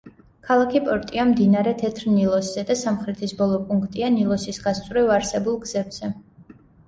ქალაქი პორტია მდინარე თეთრ ნილოსზე და სამხრეთის ბოლო პუნქტია ნილოსის გასწვრივ არსებულ გზებზე.